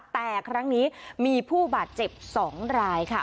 แต่ครั้งนี้มีผู้บาดเจ็บ๒รายค่ะ